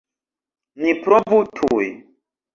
Ni provu tuj!